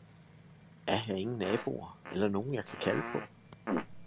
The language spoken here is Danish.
Er her ingen naboer eller nogen, jeg kan kalde på!